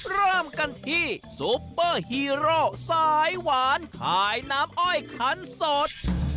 เริ่มกันที่ซุปเปอร์ฮีโร่สายหวานขายน้ำอ้อยขันสด